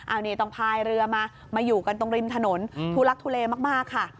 อันนี้ต้องพายเรือมามาอยู่กันตรงริมถนนทุลักทุเลมากค่ะ